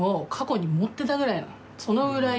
そのぐらい。